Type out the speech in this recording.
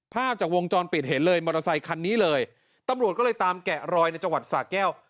ภาพจากวงจรปิดเห็นเลยมอเตอร์ไซคันนี้เลยตำรวจก็เลยตามแกะรอยในจังหวัดสาแก้ว